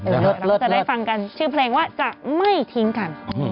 เดี๋ยวเราก็จะได้ฟังกันชื่อเพลงว่าจะไม่ทิ้งกัน